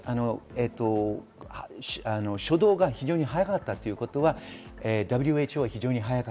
初動が非常に速かったということは、ＷＨＯは。